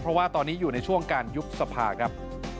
เพราะว่าตอนนี้อยู่ในช่วงการยุบสภาครับ